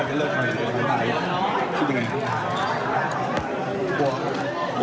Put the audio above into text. กลัวค่ะแล้วทำไมต่อครับ